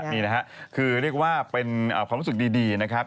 นี่นะฮะคือเรียกว่าเป็นความรู้สึกดีนะครับ